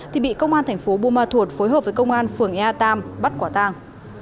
thì bị công an tp bua ma thuột phối hợp với công an phường ea tam bắt quả tang